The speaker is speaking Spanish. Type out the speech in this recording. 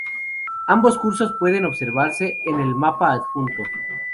Ambos cursos pueden observarse en el mapa adjunto.